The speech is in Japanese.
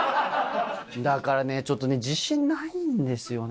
だからね、ちょっと自信ないんですよね。